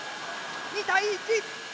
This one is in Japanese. ２対１。